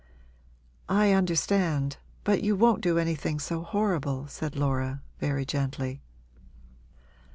'I understand but you won't do anything so horrible,' said Laura, very gently.